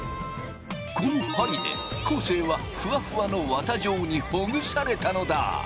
この針で昴生はフワフワの綿状にほぐされたのだ。